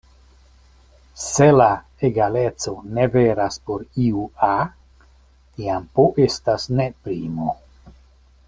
Se la egaleco ne veras por iu "a", tiam "p" estas ne primo.